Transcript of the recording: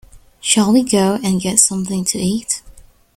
Shall we go and get something to eat?